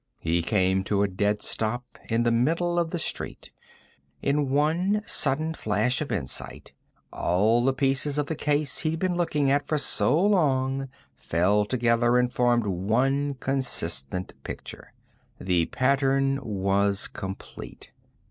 He came to a dead stop in the middle of the street. In one sudden flash of insight, all the pieces of the case he'd been looking at for so long fell together and formed one consistent picture. The pattern was complete.